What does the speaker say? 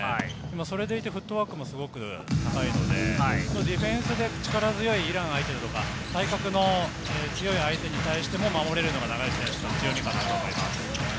それでいてフットワークもすごく高いので、ディフェンスで力強いイラン相手とか、体格の強い相手に対しても守れるのが永吉選手の強みです。